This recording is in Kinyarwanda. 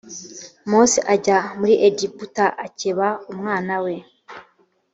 mose ajya muri egiputa akeba umwana we